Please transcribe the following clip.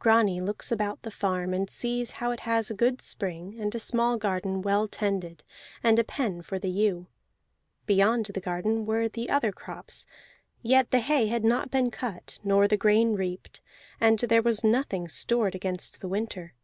Grani looks about the farm, and sees how it has a good spring, and a small garden well tended, and a pen for the ewe. Beyond the garden were the other crops; yet the hay had not been cut, nor the grain reaped, and there was nothing stored against the winter.